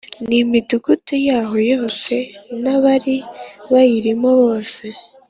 N imidugudu yaho yose n abari bayirimo bose